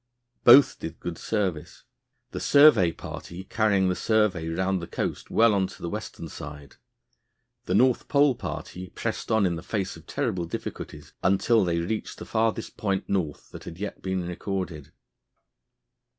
Both did good service, the survey party carrying the survey round the coast well on to the western side. The North Pole party pressed on in the face of terrible difficulties until they reached the farthest point North that had yet been recorded.